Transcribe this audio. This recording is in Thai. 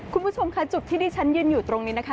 คุณผู้ชมค่ะจุดที่ดิฉันยืนอยู่ตรงนี้นะคะ